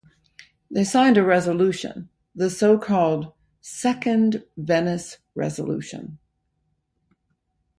They signed a Resolution, the so-called "Second Venice Resolution".